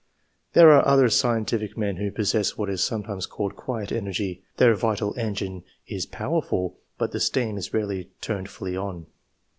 There are other scientific men who possess what is sometimes called quiet energy; their vital engine is powerful, but the steam is rarely turned fully on.